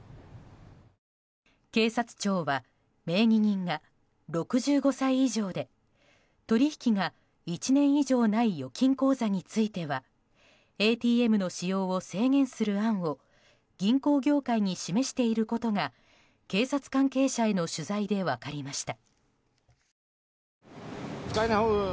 警察庁は名義人が６５歳以上で取引が１年以上ない預金口座についてはＡＴＭの使用を制限する案を銀行業界に示していることが警察関係者への取材で分かりました。